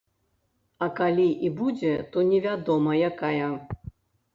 А калі і будзе, то невядома якая.